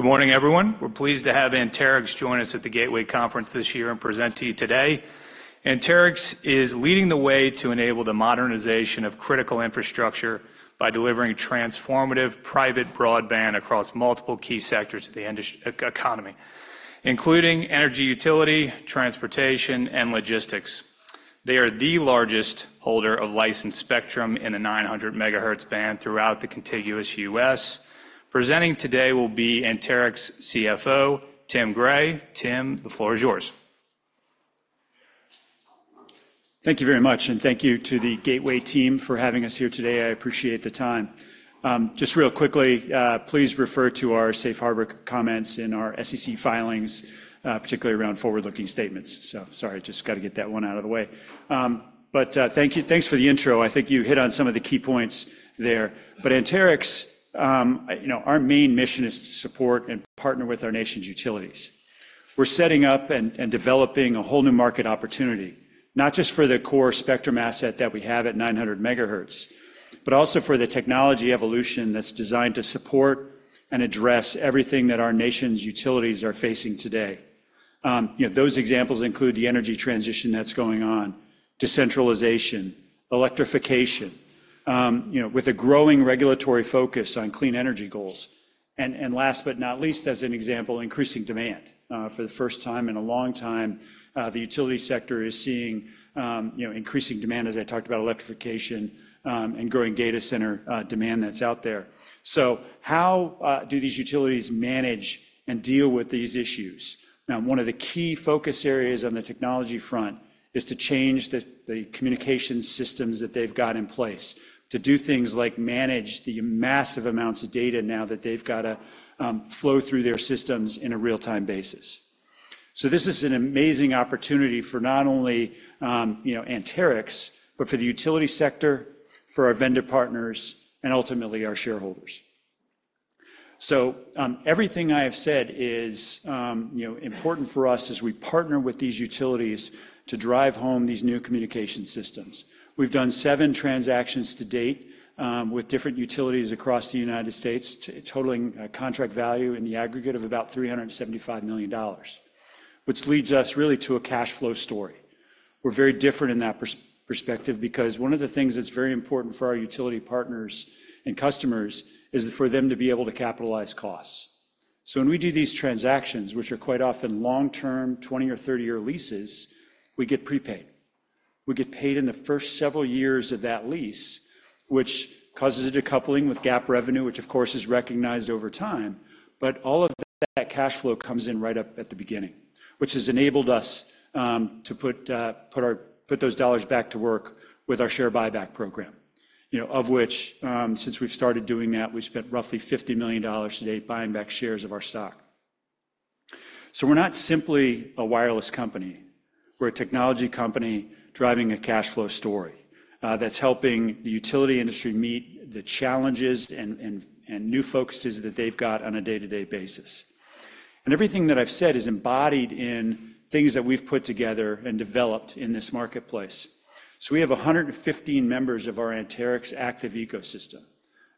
Good morning, everyone. We're pleased to have Anterix join us at the Gateway Conference this year and present to you today. Anterix is leading the way to enable the modernization of critical infrastructure by delivering transformative private broadband across multiple key sectors of the economy, including energy, utility, transportation, and logistics. They are the largest holder of licensed spectrum in the 900 MHz band throughout the contiguous U.S. Presenting today will be Anterix CFO, Tim Gray. Tim, the floor is yours. Thank you very much, and thank you to the Gateway team for having us here today. I appreciate the time. Just real quickly, please refer to our safe harbor comments in our SEC filings, particularly around forward-looking statements. So sorry, just got to get that one out of the way. But, thank you- thanks for the intro. I think you hit on some of the key points there. But Anterix, you know, our main mission is to support and partner with our nation's utilities. We're setting up and developing a whole new market opportunity, not just for the core spectrum asset that we have at 900 MHz, but also for the technology evolution that's designed to support and address everything that our nation's utilities are facing today. You know, those examples include the energy transition that's going on, decentralization, electrification, you know, with a growing regulatory focus on clean energy goals. And last but not least, as an example, increasing demand. For the first time in a long time, the utility sector is seeing, you know, increasing demand, as I talked about, electrification, and growing data center demand that's out there. So how do these utilities manage and deal with these issues? Now, one of the key focus areas on the technology front is to change the communication systems that they've got in place to do things like manage the massive amounts of data now that they've got to flow through their systems in a real-time basis. This is an amazing opportunity for not only, you know, Anterix, but for the utility sector, for our vendor partners, and ultimately, our shareholders. Everything I have said is, you know, important for us as we partner with these utilities to drive home these new communication systems. We've done seven transactions to date, with different utilities across the United States, totaling a contract value in the aggregate of about $375 million, which leads us really to a cash flow story. We're very different in that perspective because one of the things that's very important for our utility partners and customers is for them to be able to capitalize costs. So when we do these transactions, which are quite often long-term, 20 or 30 year leases, we get prepaid. We get paid in the first several years of that lease, which causes a decoupling with GAAP revenue, which, of course, is recognized over time. But all of that cash flow comes in right up at the beginning, which has enabled us to put those dollars back to work with our share buyback program, you know, of which, since we've started doing that, we've spent roughly $50 million to date buying back shares of our stock. So we're not simply a wireless company. We're a technology company driving a cash flow story, that's helping the utility industry meet the challenges and new focuses that they've got on a day-to-day basis. And everything that I've said is embodied in things that we've put together and developed in this marketplace. So we have a hundred and fifteen members of our Anterix Active Ecosystem.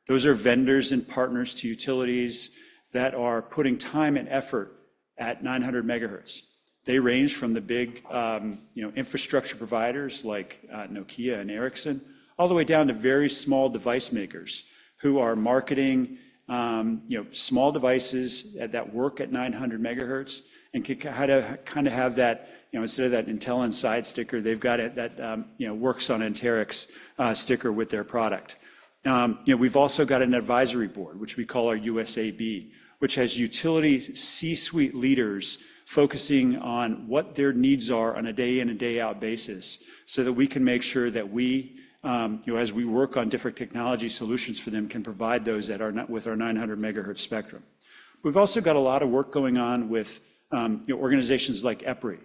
Those are vendors and partners to utilities that are putting time and effort at 900 MHz. They range from the big, you know, infrastructure providers like Nokia and Ericsson, all the way down to very small device makers who are marketing, you know, small devices that work at 900 MHz and see how to kind of have that, you know, instead of that Intel Inside sticker. They've got that, you know, Works on Anterix sticker with their product. You know, we've also got an advisory board, which we call our USAB, which has utility C-suite leaders focusing on what their needs are on a day-in and day-out basis, so that we can make sure that we, you know, as we work on different technology solutions for them, can provide those with our 900MHz spectrum. We've also got a lot of work going on with, you know, organizations like EPRI,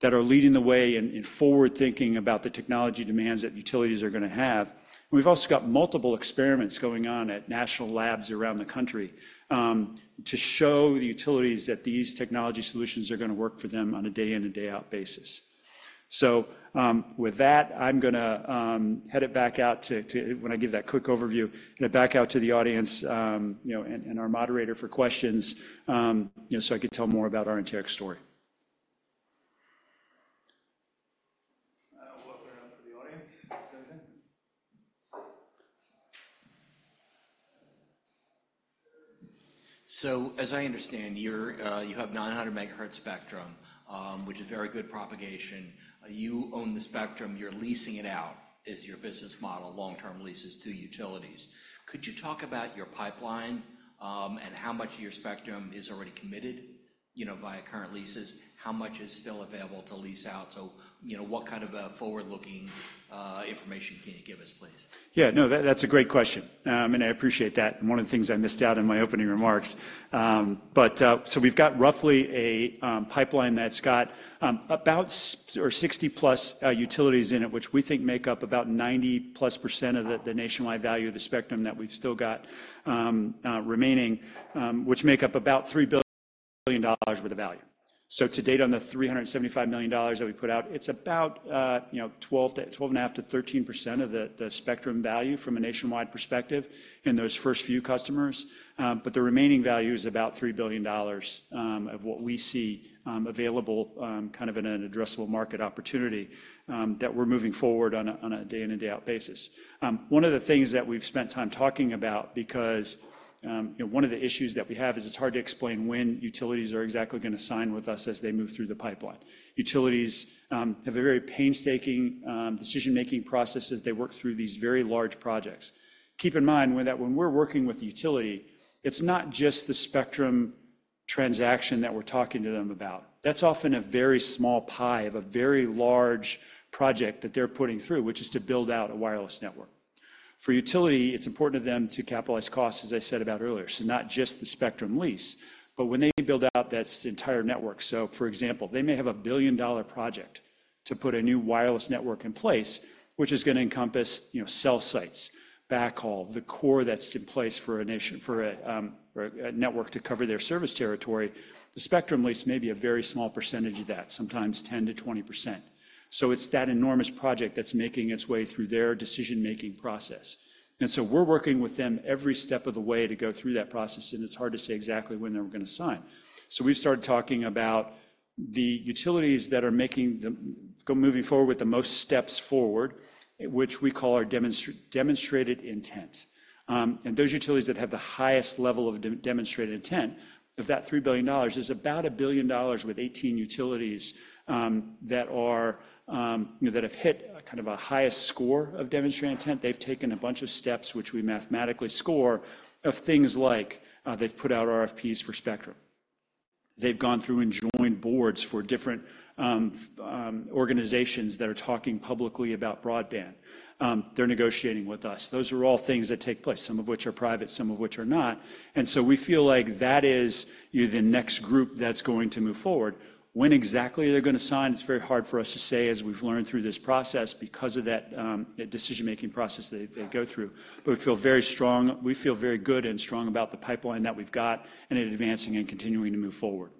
that are leading the way in forward-thinking about the technology demands that utilities are going to have. We've also got multiple experiments going on at national labs around the country, to show the utilities that these technology solutions are going to work for them on a day-in and day-out basis. So, with that, I'm gonna head it back out to, to... When I give that quick overview, back out to the audience, you know, and our moderator for questions, you know, so I could tell more about our Anterix story. We'll come around for the audience. Go ahead. So as I understand, you're, you have 900 MHz spectrum, which is very good propagation. You own the spectrum, you're leasing it out is your business model, long-term leases to utilities. Could you talk about your pipeline, and how much of your spectrum is already committed, you know, via current leases? How much is still available to lease out? So, you know, what kind of a forward-looking, information can you give us, please? Yeah, no, that, that's a great question, and I appreciate that, and one of the things I missed out in my opening remarks. But so we've got roughly a pipeline that's got about 60 plus utilities in it, which we think make up about 90 plus% of the nationwide value of the spectrum that we've still got remaining, which make up about $3 billion worth of value. So to date, on the $375 million that we put out, it's about, you know, 12 to 12.5 to 13% of the spectrum value from a nationwide perspective in those first few customers. But the remaining value is about $3 billion of what we see available, kind of in an addressable market opportunity that we're moving forward on a day in and day out basis. One of the things that we've spent time talking about, because, you know, one of the issues that we have is it's hard to explain when utilities are exactly going to sign with us as they move through the pipeline. Utilities have a very painstaking decision-making process as they work through these very large projects. Keep in mind when we're working with utility, it's not just the spectrum transaction that we're talking to them about. That's often a very small pie of a very large project that they're putting through, which is to build out a wireless network. For utility, it's important to them to capitalize costs, as I said about earlier, so not just the spectrum lease, but when they build out, that's the entire network. For example, they may have a $1 billion project to put a new wireless network in place, which is going to encompass, you know, cell sites, backhaul, the core that's in place for a network to cover their service territory. The spectrum lease may be a very small percentage of that, sometimes 10%-20%. It's that enormous project that's making its way through their decision-making process, and so we're working with them every step of the way to go through that process, and it's hard to say exactly when they're going to sign, so we've started talking about the utilities that are making the... Moving forward with the most steps forward, which we call our Demonstrated Intent. And those utilities that have the highest level of Demonstrated Intent, of that $3 billion, is about $1 billion with 18 utilities, that are, you know, that have hit a kind of a highest score of Demonstrated Intent. They've taken a bunch of steps, which we mathematically score, of things like, they've put out RFPs for spectrum. They've gone through and joined boards for different, organizations that are talking publicly about broadband. They're negotiating with us. Those are all things that take place, some of which are private, some of which are not. And so we feel like that is the next group that's going to move forward. When exactly they're going to sign, it's very hard for us to say, as we've learned through this process, because of that, that decision-making process they go through. But we feel very strong, we feel very good and strong about the pipeline that we've got and it advancing and continuing to move forward.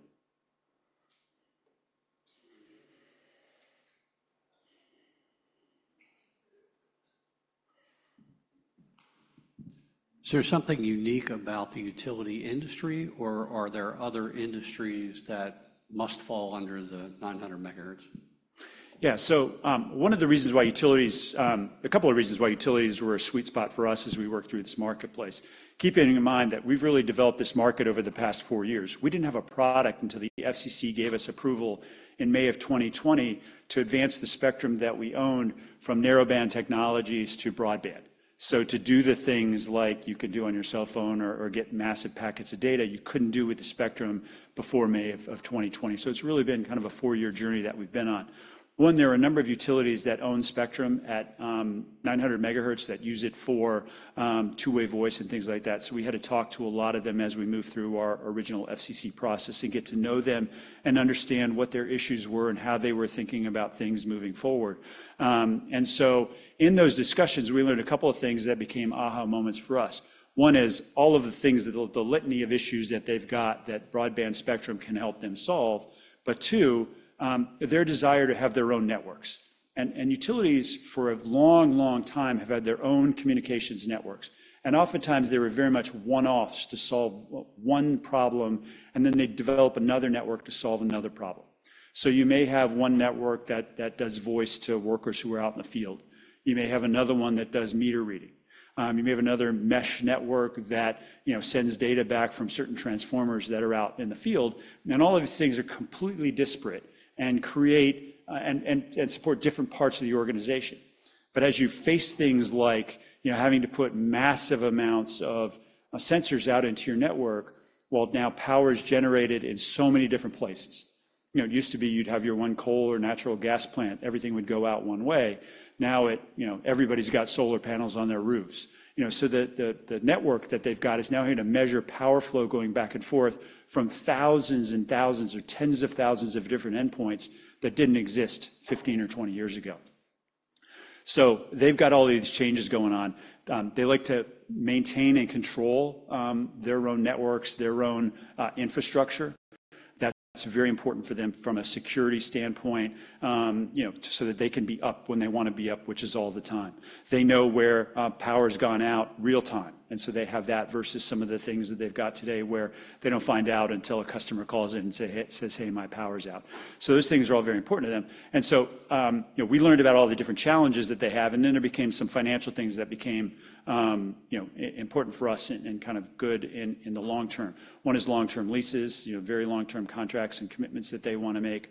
Is there something unique about the utility industry, or are there other industries that must fall under the 900 MHz? Yeah. So, one of the reasons why utilities... a couple of reasons why utilities were a sweet spot for us as we worked through this marketplace, keeping in mind that we've really developed this market over the past four years. We didn't have a product until the FCC gave us approval in May of 2020 to advance the spectrum that we owned from narrowband technologies to broadband. So to do the things like you could do on your cell phone or, or get massive packets of data, you couldn't do with the spectrum before May of 2020. So it's really been kind of a four-year journey that we've been on. One, there are a number of utilities that own spectrum at 900 MHz that use it for two-way voice and things like that. So we had to talk to a lot of them as we moved through our original FCC process and get to know them and understand what their issues were and how they were thinking about things moving forward. And so in those discussions, we learned a couple of things that became aha moments for us. One is all of the things that, the litany of issues that they've got, that broadband spectrum can help them solve, but two, their desire to have their own networks. Utilities, for a long, long time, have had their own communications networks, and oftentimes, they were very much one-offs to solve one problem, and then they'd develop another network to solve another problem. So you may have one network that does voice to workers who are out in the field. You may have another one that does meter reading. You may have another mesh network that, you know, sends data back from certain transformers that are out in the field, and all of these things are completely disparate and create and support different parts of the organization, but as you face things like, you know, having to put massive amounts of sensors out into your network, while now power is generated in so many different places. You know, it used to be you'd have your one coal or natural gas plant, everything would go out one way. Now it, you know, everybody's got solar panels on their roofs. You know, so the network that they've got is now having to measure power flow going back and forth from thousands and thousands or tens of thousands of different endpoints that didn't exist 15 or 20 years ago. So they've got all these changes going on. They like to maintain and control their own networks, their own infrastructure. That's very important for them from a security standpoint, you know, so that they can be up when they want to be up, which is all the time. They know where power's gone out real time, and so they have that versus some of the things that they've got today, where they don't find out until a customer calls in and says, "Hey, my power's out." So those things are all very important to them. And so, you know, we learned about all the different challenges that they have, and then there became some financial things that became, you know, important for us and kind of good in the long term. One is long-term leases, you know, very long-term contracts and commitments that they want to make.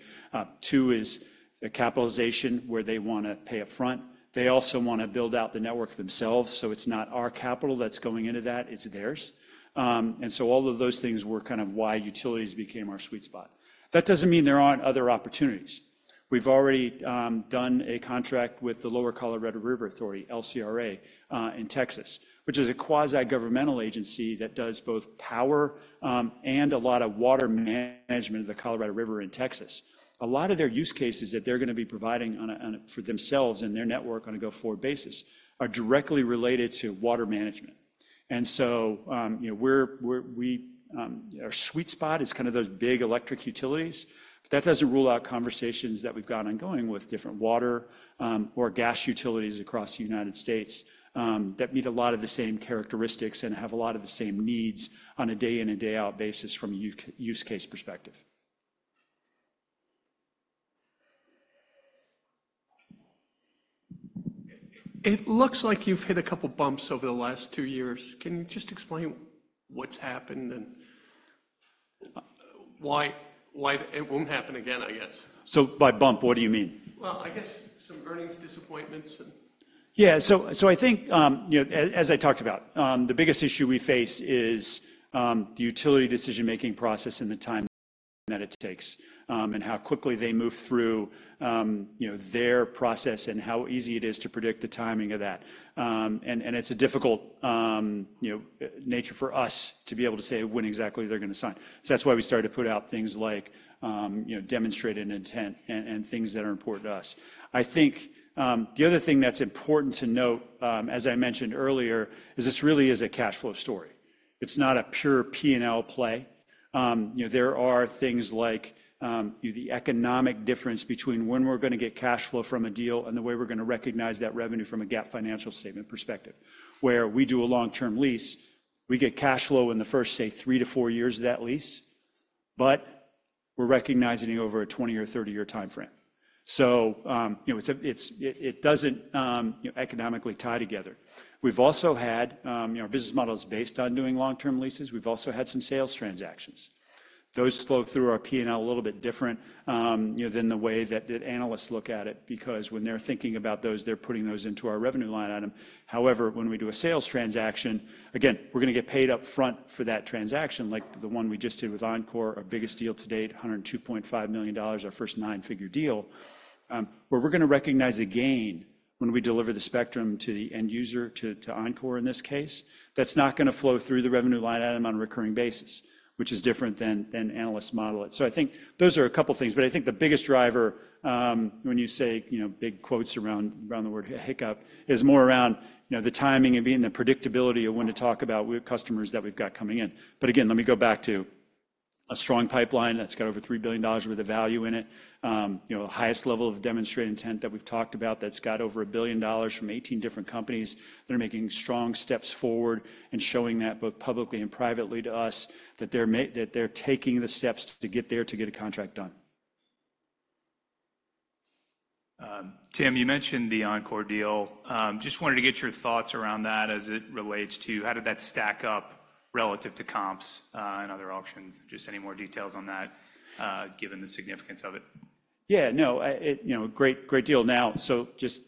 Two is the capitalization, where they want to pay up front. They also want to build out the network themselves, so it's not our capital that's going into that, it's theirs. And so all of those things were kind of why utilities became our sweet spot. That doesn't mean there aren't other opportunities. We've already done a contract with the Lower Colorado River Authority, LCRA, in Texas, which is a quasi-governmental agency that does both power and a lot of water management of the Colorado River in Texas. A lot of their use cases that they're going to be providing on a for themselves and their network on a go-forward basis are directly related to water management. And so, you know, we're our sweet spot is kind of those big electric utilities. But that doesn't rule out conversations that we've got ongoing with different water or gas utilities across the United States that meet a lot of the same characteristics and have a lot of the same needs on a day in and day out basis from a use case perspective. It looks like you've hit a couple bumps over the last two years. Can you just explain what's happened and, why, why it won't happen again, I guess? So, by bump, what do you mean? I guess some earnings disappointments and- Yeah. So I think, you know, as I talked about, the biggest issue we face is the utility decision-making process and the time that it takes, and how quickly they move through, you know, their process and how easy it is to predict the timing of that. And it's a difficult, you know, nature for us to be able to say when exactly they're going to sign. So that's why we started to put out things like, you know, Demonstrated Intent and things that are important to us. I think the other thing that's important to note, as I mentioned earlier, is this really is a cash flow story. It's not a pure P&L play. You know, there are things like, the economic difference between when we're going to get cash flow from a deal and the way we're going to recognize that revenue from a GAAP financial statement perspective, where we do a long-term lease, we get cash flow in the first, say, three to four years of that lease, but we're recognizing it over a 20 or 30-year timeframe. So, you know, it doesn't, you know, economically tie together. We've also had, you know, our business model is based on doing long-term leases. We've also had some sales transactions. Those flow through our P&L a little bit different, you know, than the way that the analysts look at it, because when they're thinking about those, they're putting those into our revenue line item. However, when we do a sales transaction, again, we're going to get paid up front for that transaction, like the one we just did with Oncor, our biggest deal to date, $102.5 million, our first nine-figure deal, where we're going to recognize a gain when we deliver the spectrum to the end user, to Oncor in this case, that's not going to flow through the revenue line item on a recurring basis, which is different than analysts model it. So I think those are a couple of things, but I think the biggest driver, when you say, you know, big quotes around the word hiccup, is more around, you know, the timing and being the predictability of when to talk about with customers that we've got coming in. But again, let me go back to a strong pipeline that's got over $3 billion worth of value in it. You know, highest level of Demonstrated Intent that we've talked about, that's got over $1 billion from 18 different companies that are making strong steps forward and showing that both publicly and privately to us, that they're taking the steps to get there to get a contract done. Tim, you mentioned the Oncor deal. Just wanted to get your thoughts around that as it relates to how did that stack up relative to comps, and other auctions? Just any more details on that, given the significance of it. Yeah, you know, great deal. Now, so just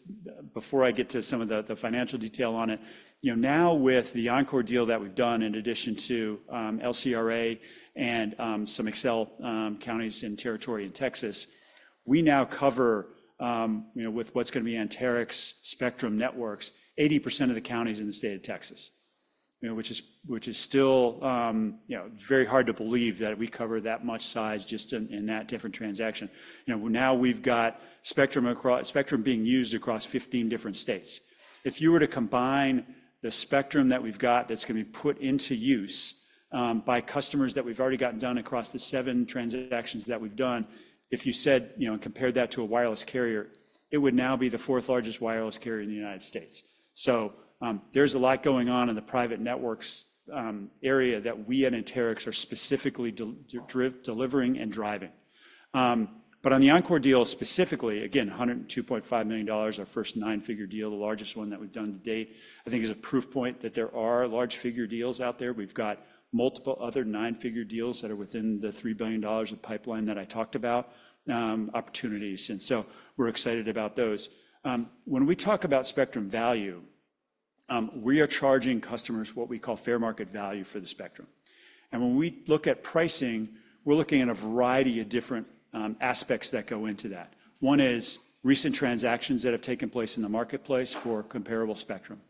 before I get to some of the financial detail on it, you know, now with the Oncor deal that we've done, in addition to LCRA and some Xcel counties and territory in Texas, we now cover, you know, with what's going to be Anterix spectrum networks, 80% of the counties in the state of Texas. You know, which is still, you know, very hard to believe that we cover that much size just in that different transaction. You know, now we've got spectrum across 15 different states. If you were to combine the spectrum that we've got that's going to be put into use, by customers that we've already gotten done across the seven transactions that we've done, if you said, you know, and compared that to a wireless carrier, it would now be the fourth largest wireless carrier in the United States. There's a lot going on in the private networks, area that we at Anterix are specifically delivering and driving. On the Oncor deal, specifically, again, $102.5 million, our first nine-figure deal, the largest one that we've done to date, I think is a proof point that there are large figure deals out there. We've got multiple other nine-figure deals that are within the $3 billion of pipeline that I talked about, opportunities, and so we're excited about those. When we talk about spectrum value, we are charging customers what we call fair market value for the spectrum. And when we look at pricing, we're looking at a variety of different aspects that go into that. One is recent transactions that have taken place in the marketplace for comparable spectrum.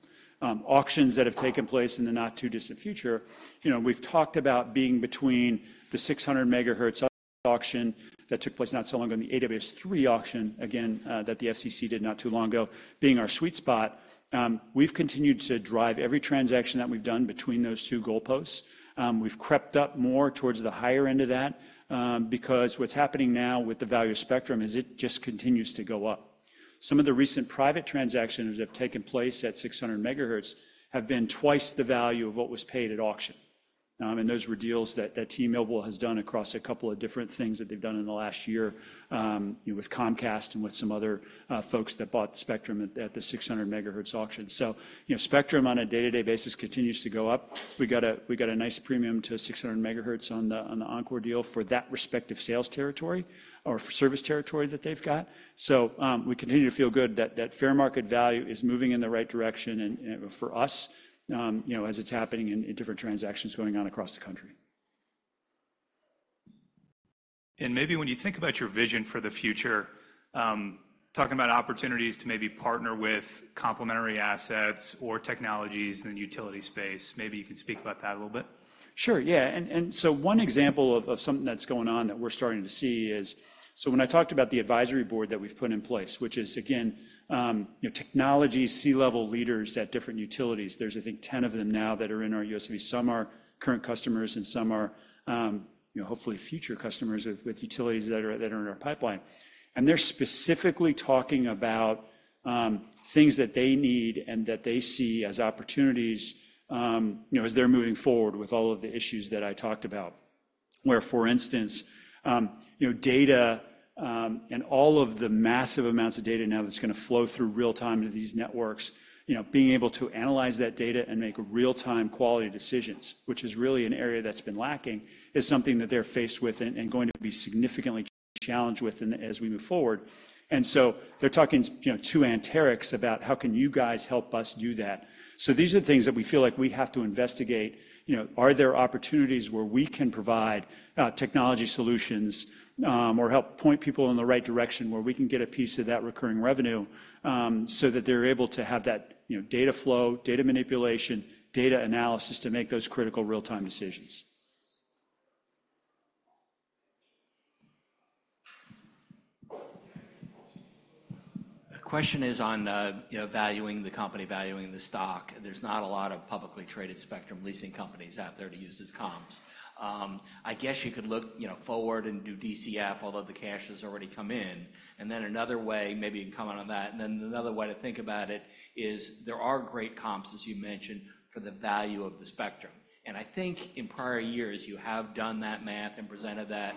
Auctions that have taken place in the not-too-distant future. You know, we've talked about being between the 600 MHz auction that took place not so long ago, and the AWS-3 auction, again, that the FCC did not too long ago, being our sweet spot. We've continued to drive every transaction that we've done between those two goalposts. We've crept up more towards the higher end of that, because what's happening now with the value of spectrum is it just continues to go up. Some of the recent private transactions that have taken place at 600 MHz have been twice the value of what was paid at auction. And those were deals that T-Mobile has done across a couple of different things that they've done in the last year, with Comcast and with some other folks that bought the spectrum at the 600 MHz auction. So, you know, spectrum on a day-to-day basis continues to go up. We got a nice premium to 600 MHz on the Oncor deal for that respective sales territory or service territory that they've got. So, we continue to feel good that fair market value is moving in the right direction and for us, you know, as it's happening in different transactions going on across the country. And maybe when you think about your vision for the future, talking about opportunities to maybe partner with complementary assets or technologies in the utility space, maybe you can speak about that a little bit? Sure, yeah. And so one example of something that's going on that we're starting to see is, so when I talked about the advisory board that we've put in place, which is again, you know, technology C-level leaders at different utilities, there's I think ten of them now that are in our USAB. Some are current customers, and some are, you know, hopefully future customers with utilities that are in our pipeline. And they're specifically talking about things that they need and that they see as opportunities, you know, as they're moving forward with all of the issues that I talked about. Where, for instance, you know, data and all of the massive amounts of data now that's gonna flow through real time into these networks, you know, being able to analyze that data and make real-time quality decisions, which is really an area that's been lacking, is something that they're faced with and going to be significantly challenged with as we move forward. So they're talking, you know, to Anterix about, "How can you guys help us do that?" These are the things that we feel like we have to investigate. You know, are there opportunities where we can provide technology solutions or help point people in the right direction where we can get a piece of that recurring revenue so that they're able to have that, you know, data flow, data manipulation, data analysis to make those critical real-time decisions? The question is on, you know, valuing the company, valuing the stock. There's not a lot of publicly traded spectrum leasing companies out there to use as comps. I guess you could look, you know, forward and do DCF, although the cash has already come in, and then another way, maybe you can comment on that, and then another way to think about it is there are great comps, as you mentioned, for the value of the spectrum, and I think in prior years, you have done that math and presented that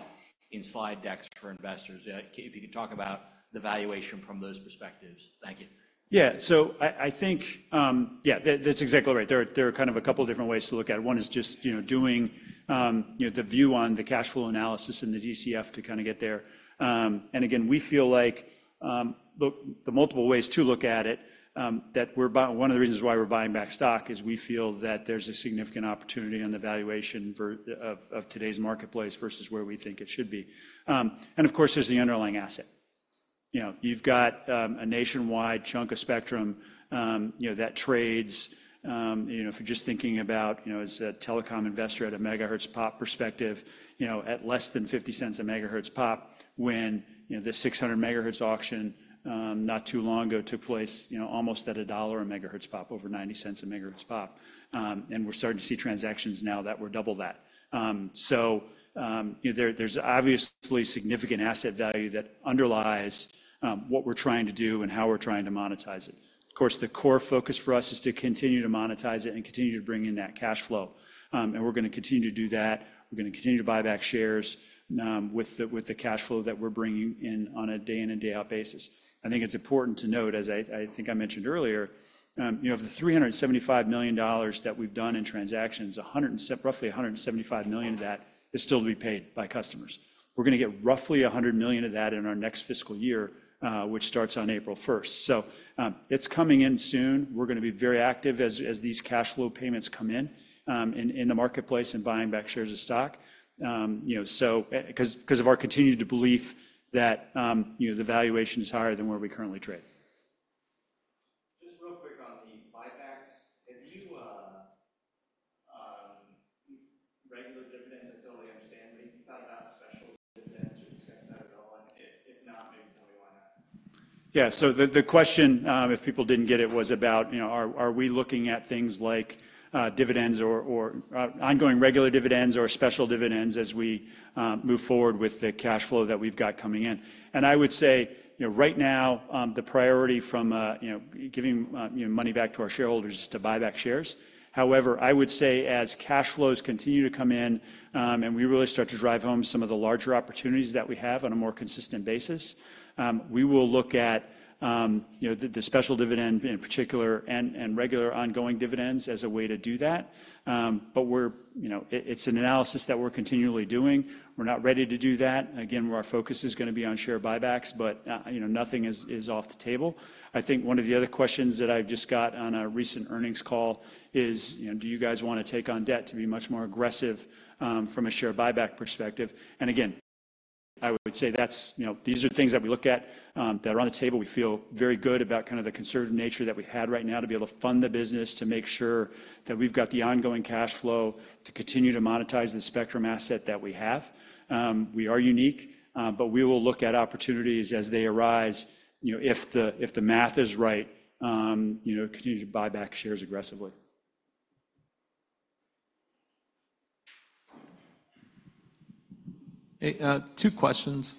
in slide decks for investors. If you could talk about the valuation from those perspectives. Thank you. Yeah. So I think, yeah, that's exactly right. There are kind of a couple different ways to look at it. One is just, you know, doing, you know, the view on the cash flow analysis and the DCF to kind of get there. And again, we feel like the multiple ways to look at it, one of the reasons why we're buying back stock is we feel that there's a significant opportunity on the valuation of today's marketplace versus where we think it should be. And of course, there's the underlying asset. You know, you've got a nationwide chunk of spectrum, you know, that trades, you know, if you're just thinking about, you know, as a telecom investor at a MHz-pop perspective, you know, at less than $0.50 a MHz-pop, when, you know, the 600 MHz auction, not too long ago, took place, you know, almost at $1 a MHz-pop, over $0.90 a MHz-pop. And we're starting to see transactions now that we're double that. So, you know, there, there's obviously significant asset value that underlies what we're trying to do and how we're trying to monetize it. Of course, the core focus for us is to continue to monetize it and continue to bring in that cash flow. And we're going to continue to do that. We're going to continue to buy back shares with the cash flow that we're bringing in on a day in and day out basis. I think it's important to note, as I think I mentioned earlier, you know, of the $375 million that we've done in transactions, roughly $175 million of that is still to be paid by customers. We're going to get roughly $100 million of that in our next fiscal year, which starts on April first, so it's coming in soon. We're going to be very active as these cash flow payments come in in the marketplace and buying back shares of stock. You know, so, because of our continued belief that, you know, the valuation is higher than where we currently trade. Just real quick on the buybacks. Have you regular dividends, I totally understand, but have you thought about special dividends or discussed that at all? And if not, maybe tell me why not. Yeah. So the question, if people didn't get it, was about, you know, are we looking at things like dividends or ongoing regular dividends or special dividends as we move forward with the cash flow that we've got coming in? And I would say, you know, right now, the priority from you know, giving you know, money back to our shareholders is to buy back shares. However, I would say as cash flows continue to come in, and we really start to drive home some of the larger opportunities that we have on a more consistent basis, we will look at, you know, the special dividend in particular, and regular ongoing dividends as a way to do that. But we're, you know, it's an analysis that we're continually doing. We're not ready to do that. Again, where our focus is going to be on share buybacks, but, you know, nothing is off the table. I think one of the other questions that I've just got on a recent earnings call is, you know, do you guys want to take on debt to be much more aggressive, from a share buyback perspective? And again, I would say that's, you know, these are things that we look at, that are on the table. We feel very good about kind of the conservative nature that we've had right now to be able to fund the business, to make sure that we've got the ongoing cash flow, to continue to monetize the spectrum asset that we have. We are unique, but we will look at opportunities as they arise, you know, if the math is right, you know, continue to buy back shares aggressively. Hey, two questions.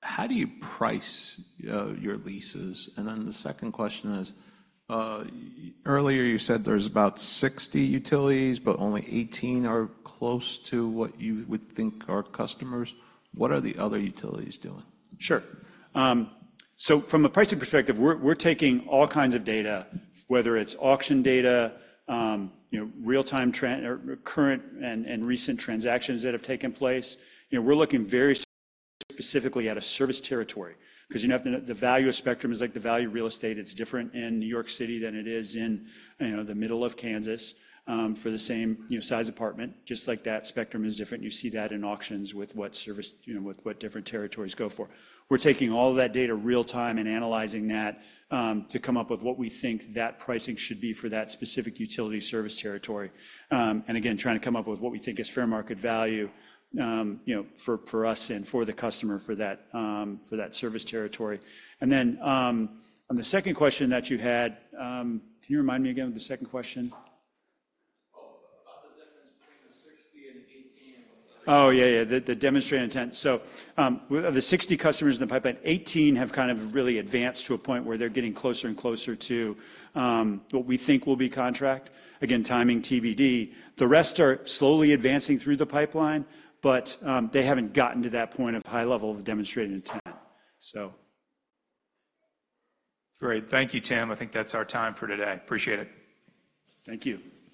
How do you price your leases? And then the second question is, earlier you said there's about 60 utilities, but only 18 are close to what you would think are customers. What are the other utilities doing? Sure. So from a pricing perspective, we're taking all kinds of data, whether it's auction data, you know, real-time trend or current and recent transactions that have taken place. You know, we're looking very specifically at a service territory, because you have to know the value of spectrum is like the value of real estate. It's different in New York City than it is in, you know, the middle of Kansas, for the same, you know, size apartment. Just like that, spectrum is different. You see that in auctions with what service, you know, with what different territories go for. We're taking all of that data real time and analyzing that, to come up with what we think that pricing should be for that specific utility service territory. And again, trying to come up with what we think is fair market value, you know, for us and for the customer, for that service territory. And then, on the second question that you had, can you remind me again of the second question? Oh, about the difference between the 60 and 18 and- Oh, yeah, yeah, the Demonstrated Intent. So, of the 60 customers in the pipeline, 18 have kind of really advanced to a point where they're getting closer and closer to what we think will be contract. Again, timing TBD. The rest are slowly advancing through the pipeline, but they haven't gotten to that point of high level of Demonstrated Intent. So... Great. Thank you, Tim. I think that's our time for today. Appreciate it. Thank you.